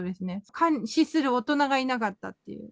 監視する大人がいなかったという。